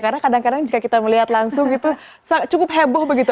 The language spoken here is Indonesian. karena kadang kadang jika kita melihat langsung itu cukup heboh begitu